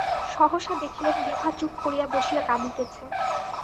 সহসা দেখিলেন বিভা চুপ করিয়া বসিয়া কাঁদিতেছে।